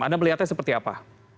anda melihatnya seperti apa